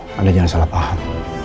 oh anda jangan salah paham